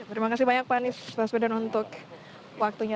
terima kasih banyak pak anies baswedan untuk waktunya